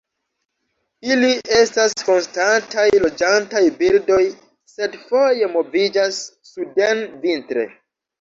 Ili estas konstantaj loĝantaj birdoj, sed foje moviĝas suden vintre.